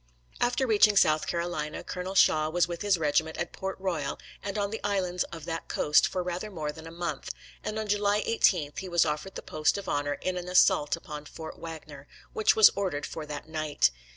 After reaching South Carolina, Colonel Shaw was with his regiment at Port Royal and on the islands of that coast for rather more than a month, and on July 18 he was offered the post of honor in an assault upon Fort Wagner, which was ordered for that night.